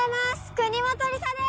国本梨紗です！